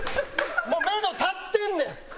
もうめど立ってんねん！